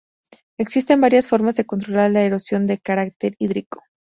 Existen varias formas de controlar la erosión de carácter hídrico.